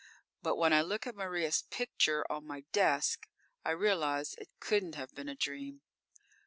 But when I look at Maria's picture on my desk, I realize it couldn't have been a dream.